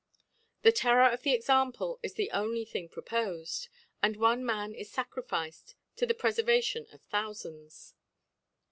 The Terror of the Example is the only Thing propofed, and one Man is facrificed to the Prelervation of Thoufands.